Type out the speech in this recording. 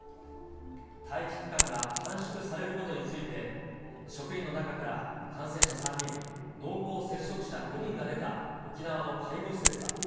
待機期間が短縮されることについて、職員の中から感染者３人、濃厚接触者５人が出た沖縄の介護施設は。